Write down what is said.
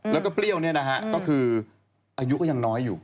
แล้วก็เปรี้ยวเนี่ยนะฮะก็คืออายุก็ยังน้อยอยู่